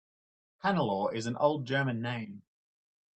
Hannelore is an old German name.